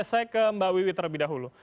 saya ke mbak wiwi terlebih dahulu